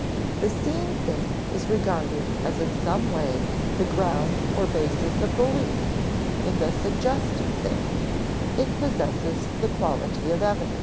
The seen thing is regarded as in some way the ground or basis of belief in the suggested thing; it possesses the quality of evidence.